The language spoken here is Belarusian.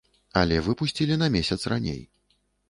Але выпусцілі на месяц раней.